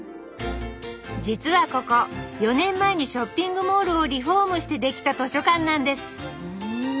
実はここ４年前にショッピングモールをリフォームして出来た図書館なんです。